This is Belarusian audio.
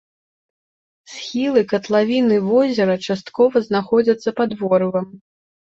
Схілы катлавіны возера часткова знаходзяцца пад ворывам.